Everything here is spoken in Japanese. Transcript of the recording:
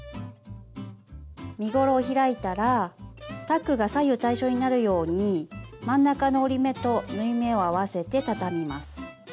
身ごろを開いたらタックが左右対称になるように真ん中の折り目と縫い目を合わせて畳みます。